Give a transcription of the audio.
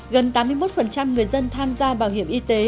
gần tám mươi một người dân tham gia bảo hiểm y tế